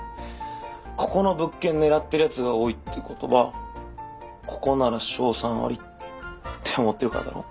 ここの物件狙ってるヤツが多いってことはここなら勝算ありって思ってるからだろ。